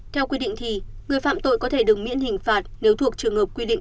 theo quy định thì người phạm tội có thể được miễn hình phạt nếu thuộc trường hợp quy định